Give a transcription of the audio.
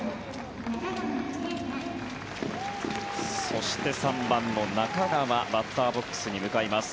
そして３番の中川バッターボックスに向かいます。